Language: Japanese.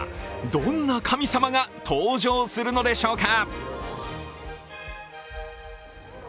どんな神様が登場するのでしょうか。